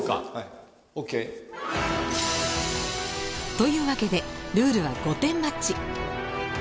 というわけでルールは５点マッチ。